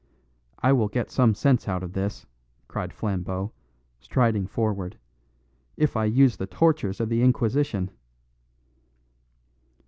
"I will get some sense out of this," cried Flambeau, striding forward, "if I use the tortures of the Inquisition."